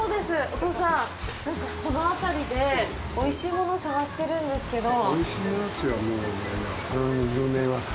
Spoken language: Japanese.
お父さん、何かこの辺りでおいしいもの探しているんですけど。